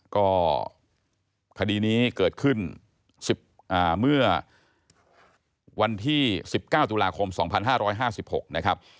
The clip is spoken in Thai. ก็คดีนี้เกิดขึ้นเมื่อวันที่๑๙ตุลาคม๒๕๕๖นะครับ